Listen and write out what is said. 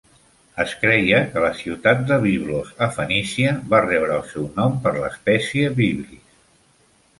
Es creia que la ciutat de Biblos a Fenícia va rebre el seu nom per l'espècie Byblis.